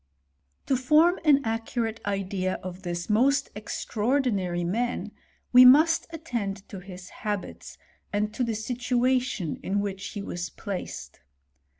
To form an accurate idea of this most extraordinary man, we must attend to his habits, and to the situa tion in which he was placed.